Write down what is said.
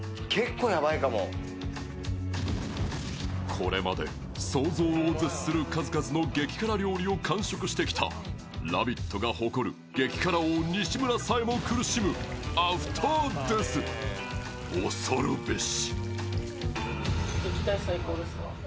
これまで想像を絶する数々の激辛料理を完食してきた、「ラヴィット！」が誇る激辛王・西村さえも苦しむアフターＤＥＡＴＨ、恐るべし。